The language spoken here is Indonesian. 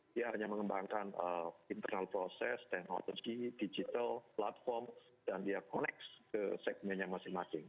dia hanya mengembangkan internal process teknologi digital platform dan dia connect ke segmennya masing masing